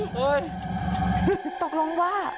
เฮ้ยตกลงว่า